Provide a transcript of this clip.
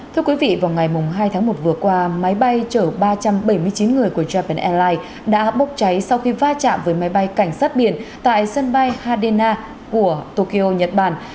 thưa quý vị vào ngày hai tháng một vừa qua máy bay chở ba trăm bảy mươi chín người của japan airlines đã bốc cháy sau khi va chạm với máy bay cảnh sát biển tại sân bay hadena của tokyo nhật bản